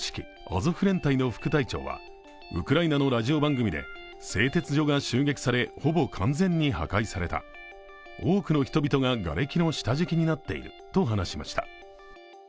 アゾフ連隊の副隊長はウクライナのラジオ番組で、製鉄所が襲撃され、ほぼ完全に破壊された、多くの人々ががれきの下敷きになっていると話しました。